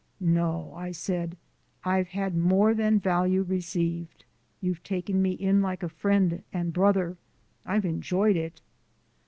"No," I said. "I've had more than value received. You've taken me in like a friend and brother. I've enjoyed it."